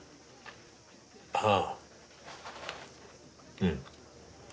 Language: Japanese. あぁうん。